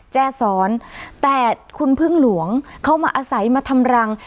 แจ้ซ้อนแต่คุณพึ่งหลวงเขามาอาศัยมาทำรัง